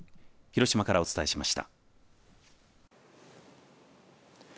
徳島からお伝えします。